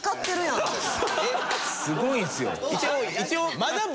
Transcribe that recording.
すごいですよ。